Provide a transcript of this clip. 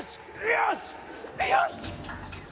よし！